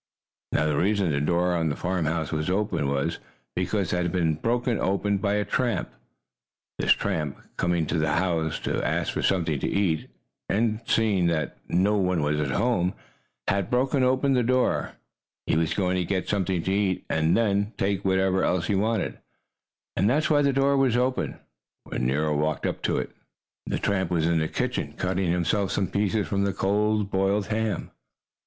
Now the reason the door of the farmhouse was open was because it had been broken open by a tramp! This tramp, coming to the house to ask for something to eat and seeing that no one was at home, had broken open the door. He was going to get something to eat, and then take whatever else he wanted. And that's why the door was open when Nero walked up to it. The tramp was in the kitchen, cutting himself some pieces from the cold, boiled ham.